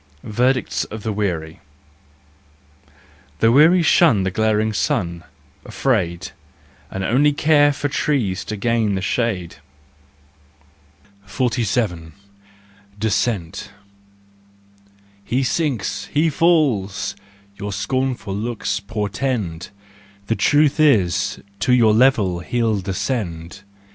Verdicts of the Weary . The weary shun the glaring sun, afraid, And only care for trees to gain the shade. 47 Descent. " He sinks, he falls," your scornful looks portend : The truth is, to your level he'll descend.